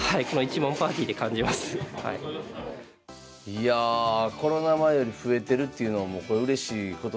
いやあコロナ前より増えてるっていうのはうれしいことですよね。